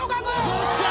よっしゃ！